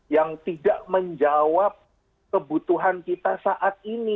yang tidak menjawab kebutuhan kita saat ini